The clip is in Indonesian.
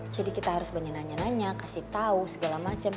jadi kita harus banyak nanya nanya kasih tau segala macem